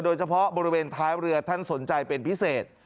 โดยเฉพาะบริเวณท้ายเรือท่านสนใจเป็นพิเศษ